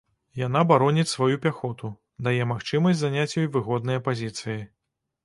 Яна бароніць сваю пяхоту, дае магчымасць заняць ёй выгодныя пазіцыі.